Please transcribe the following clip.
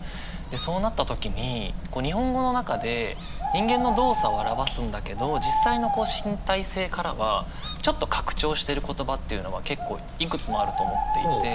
そうなった時に日本語の中で人間の動作を表すんだけど実際の身体性からはちょっと拡張してる言葉っていうのは結構いくつもあると思っていて。